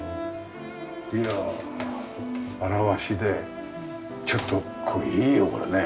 いやあ現しでちょっとこれいいよこれね。